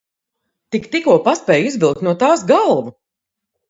Tik tikko paspēju izvilkt no tās galvu!